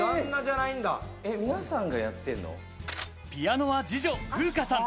ピアノは二女・楓香さん。